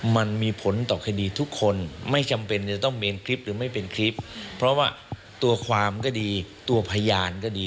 มันมีผลต่อคดีทุกคนไม่จำเป็นจะต้องเมนคลิปหรือไม่เป็นคลิปเพราะว่าตัวความก็ดีตัวพยานก็ดี